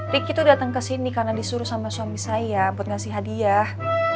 riki tuh dateng kesini karena disuruh sama suami saya buat ngasih hadiah